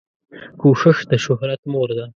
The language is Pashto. کوښښ دشهرت مور ده